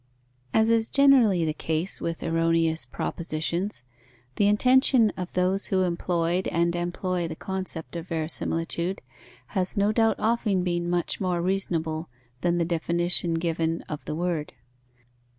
As is generally the case with erroneous propositions, the intention of those who employed and employ the concept of verisimilitude has no doubt often been much more reasonable than the definition given of the word.